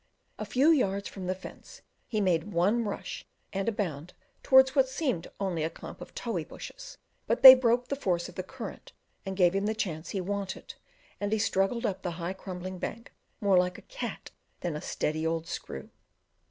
A few yards from the fence he made one rush and a bound towards what seemed only a clump of Tohi bushes, but they broke the force of the current and gave him the chance he wanted, and he struggled up the high crumbling bank more like a cat than a steady old screw.